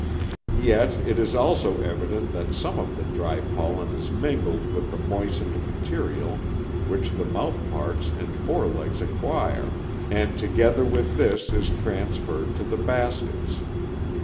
Yet it is also evident that some of the dry pollen is mingled with the moistened material which the mouthparts and forelegs acquire and together with this is transferred to the baskets.